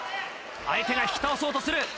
相手が引き倒そうとする。